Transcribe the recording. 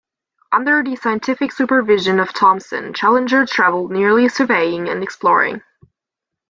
Under the scientific supervision of Thomson, Challenger travelled nearly surveying and exploring.